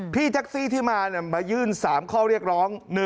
พี่แท็กซี่ที่มามายื่น๓ข้อเรียกร้อง